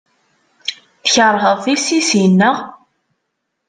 Tkeṛheḍ tissisin, naɣ?